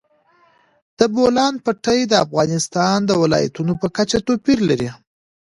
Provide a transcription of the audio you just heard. د بولان پټي د افغانستان د ولایاتو په کچه توپیر لري.